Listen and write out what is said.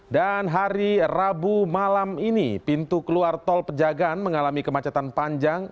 dan hari rabu malam ini pintu keluar tol pejagaan mengalami kemacetan panjang